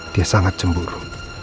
dia sangat cemburu